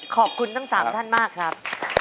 ขอบคุณทั้ง๓ท่านมากครับ